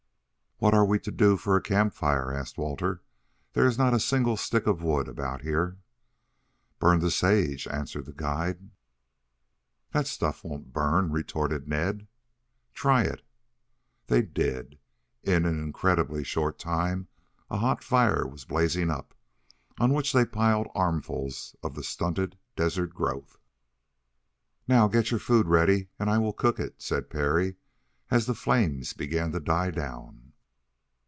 "What are we to do for a camp fire?" asked Walter. "There is not a single stick of wood about here." "Burn the sage," answered the guide. "That stuff won't burn," retorted Ned. "Try it." They did. In an incredibly short time a hot fire was blazing up, on which they piled armfuls of the stunted desert growth. "Now, get your food ready and I will cook it," said Parry, as the flames began to die down.